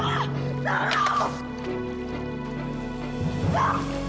ga ada apa apa